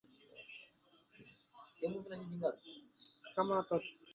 maandamano yameendelea kwa siku ya pili hivi leo cairo misri kushinikiza uongozi bora